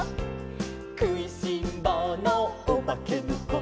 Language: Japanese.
「くいしんぼうのおばけのこ」